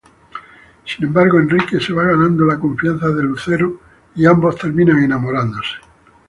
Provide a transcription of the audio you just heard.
Sin embargo, Enrique se va ganando la confianza de Lucero y ambos terminan enamorándose.